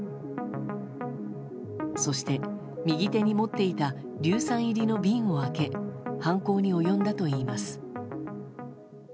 そして、右手に持っていた硫酸入りの瓶を開け犯行に及んだといいます。